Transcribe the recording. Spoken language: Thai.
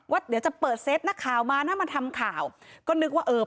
เดี๋ยวจะเปิดเซฟนักข่าวมานะมาทำข่าวก็นึกว่าเออ